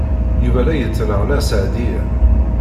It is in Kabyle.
Yuba la yettnaɣ Nna Seɛdiya.